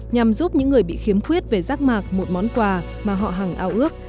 nhằm giúp những người bị khiếm khuyết về giác mạc một món quà mà họ hàng ao ước